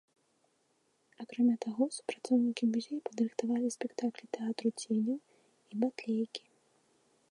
Акрамя таго, супрацоўнікі музея падрыхтавалі спектаклі тэатру ценяў і батлейкі.